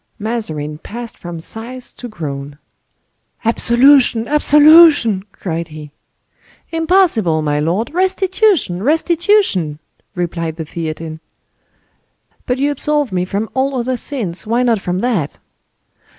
Mazarin passed from sighs to groans. "Absolution! absolution!" cried he. "Impossible, my lord. Restitution! restitution!" replied the Theatin. "But you absolve me from all other sins, why not from that?"